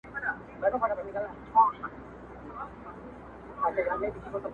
بې پروا سي بس له خپلو قریبانو,